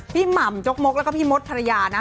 หม่ำจกมกแล้วก็พี่มดภรรยานะ